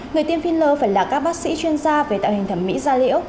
người tiêm filler phải là các bác sĩ chuyên gia về tạo hình thẩm mỹ da lễ ốc